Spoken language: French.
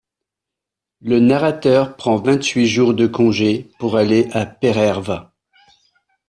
Le narrateur prend vingt-huit jours de congé pour aller à Pérerva.